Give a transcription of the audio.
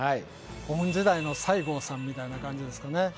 古墳時代の西郷さんみたいな感じですよね。